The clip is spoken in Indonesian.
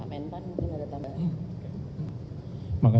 pak mentan mungkin ada tambahan